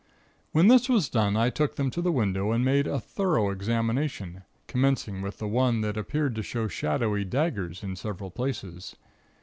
"When this was done I took them to the window and made a thorough examination, commencing with the one that appeared to show shadowy daggers in several places.